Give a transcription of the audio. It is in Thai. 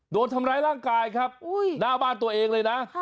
โดนทำร้ายร่างกายครับหน้าบ้านตัวเองเลยนะ